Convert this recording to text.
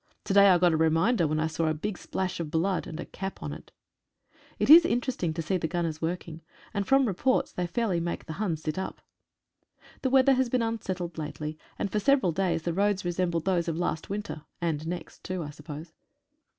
To day I got a reminder when I saw a big splash of blood and a cap on it. It is interesting to see the gunners working, and from reports they fairly make the Hun sit up. The weather has been unsettled lately, and for several days the roads resembled those of last winter, and next too, I suppose.